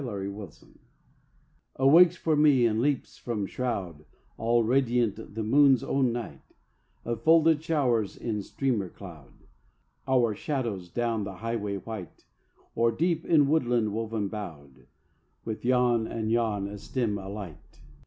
THE NIGHT WALK AWAKES for me and leaps from shroud All radiantly the moon's own night Of folded showers in streamer cloud; Our shadows down the highway white Or deep in woodland woven boughed, With yon and yon a stem alight.